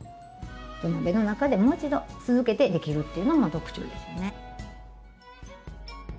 土鍋の中でもう一度続けてできるっていうのも特徴ですね。